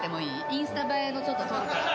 インスタ映えのちょっと撮るから。